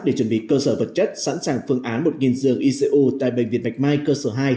để chuẩn bị cơ sở vật chất sẵn sàng phương án một giường icu tại bệnh viện bạch mai cơ sở hai